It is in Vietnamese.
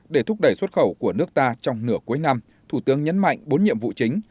để thúc đẩy xuất khẩu của nước ta trong nửa cuối năm thủ tướng nhấn mạnh bốn nhiệm vụ chính